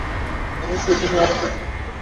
আমি শিওর তুমি আমার সাথে আরো কিছুক্ষণ কাটাতে পার।